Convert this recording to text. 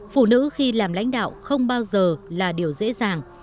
phụ nữ khi làm lãnh đạo không bao giờ là điều dễ dàng